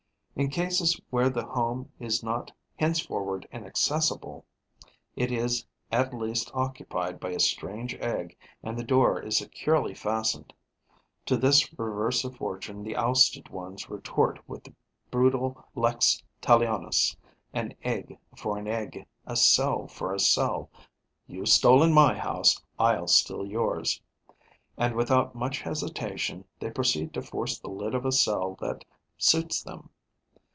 In cases where the home is not henceforward inaccessible, it is at least occupied by a strange egg and the door is securely fastened. To this reverse of fortune the ousted ones retort with the brutal lex talionis: an egg for an egg, a cell for a cell. You've stolen my house; I'll steal yours. And, without much hesitation, they proceed to force the lid of a cell that suits them.